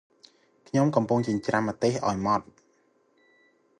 ខ្ញុំកំពុងចិញ្រ្ចាំម្ទេសអោយមត់ ។